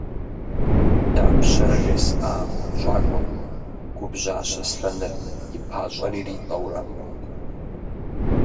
– Дапщэрэ жесӀа а хъунщӀакӀуэм, – губжьащ Аслъэныр, и пащӀэр иритӀэурэ.